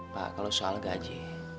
pak kalau soal gaji